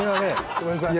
ごめんなさい。